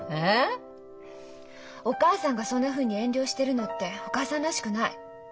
お母さんがそんなふうに遠慮してるのってお母さんらしくない。